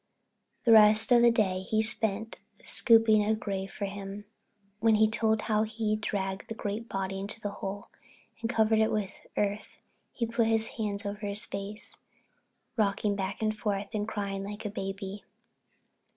The rest of the day he spent scooping a grave for him. When he told how he dragged the great body into the hole and covered it with earth, he put his hands over his face, rocking back and forth, and crying like a baby.